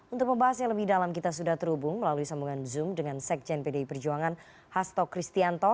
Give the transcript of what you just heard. untuk pembahas yang lebih dalam kita sudah terhubung melalui sambungan zoom dengan sekjen pdi perjuangan hasto kristianto